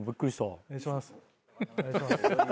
お願いします。